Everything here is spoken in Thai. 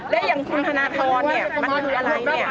และอย่างคุณธนทรเนี่ยมันคืออะไรเนี่ย